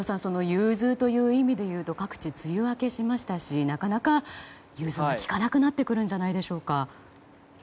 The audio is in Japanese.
融通という意味で言うと、各地梅雨明けしましたしなかなか融通がきかなくなってくるんじゃないでしょうか。